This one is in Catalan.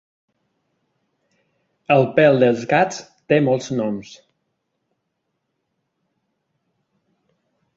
El pèl dels gats té molts noms.